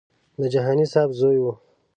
د جهاني صاحب زوی و.